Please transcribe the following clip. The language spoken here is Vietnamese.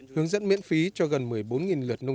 hướng dẫn miễn phí cho gần một mươi bốn lượt nông dân